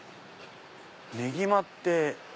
ねぎまって。